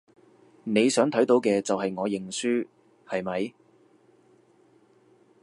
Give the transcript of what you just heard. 你想睇到嘅就係我認輸，係咪？